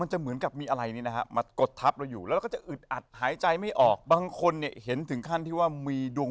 เหมือนกับเราในกำลังเคลิ่ม